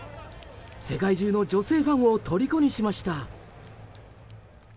世界中の女性ファンをとりこにしました。